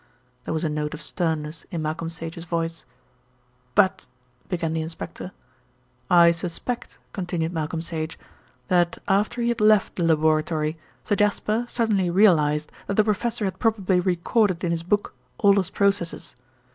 There was a note of sternness in Malcolm Sage's voice. "But " began the inspector. "I suspect," continued Malcolm Sage, "that after he had left the laboratory, Sir Jasper suddenly realised that the professor had probably recorded in his book all his processes.